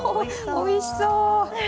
おいしそう！